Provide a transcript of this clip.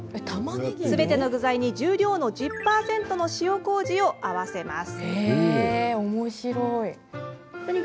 すべての具材に重量の１０％の塩こうじを合わせます。